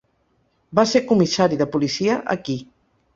Va ser comissari de policia aquí.